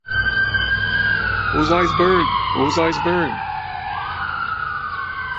Aux icebergs ! aux icebergs !